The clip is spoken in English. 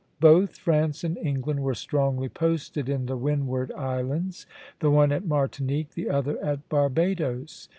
Both France and England were strongly posted in the Windward Islands, the one at Martinique, the other at Barbadoes.